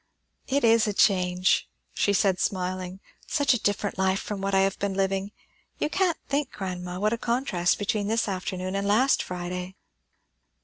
"It is a change!" she said, smiling. "Such a different life from what I have been living. You can't think, grandma, what a contrast between this afternoon and last Friday."